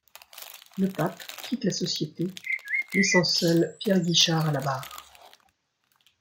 Le Pape quitte la société, laissant seul Pierre Guichard à la barre.